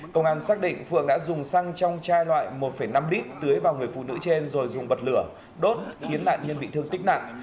công an xác định phượng đã dùng xăng trong chai loại một năm lít tưới vào người phụ nữ trên rồi dùng bật lửa đốt khiến nạn nhân bị thương tích nặng